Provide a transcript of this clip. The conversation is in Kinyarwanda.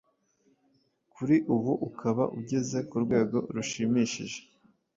kuri ubu ukaba ugeze ku rwego rushimishije.